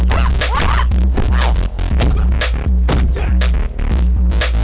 enggak enggak enggak